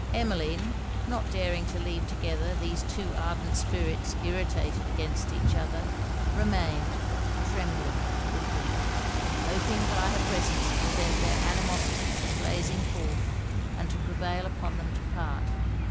Emmeline, not daring to leave together these two ardent spirits irritated against each other, remained, trembling, with them; hoping by her presence to prevent their animosity from blazing forth, and to prevail upon them to part.